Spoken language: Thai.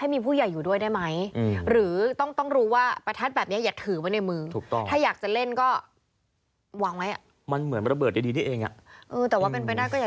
อำนวยต์กันไว้นะคะ